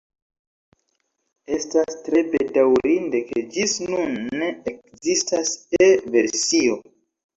Estas tre bedaŭrinde ke ĝis nun ne ekzistas E-versio.